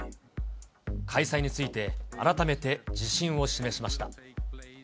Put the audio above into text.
開催について、改めて自信を示しました。